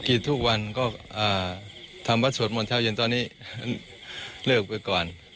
กิจทุกวันก็ทำวัดสวดหมดเท่าอย่างตอนนี้เลือกไปก่อน